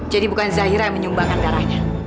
jadi bukan zahira yang menyumbangkan darahnya